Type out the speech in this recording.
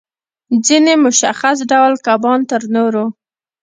ځینې مشخص ډول کبان تر نورو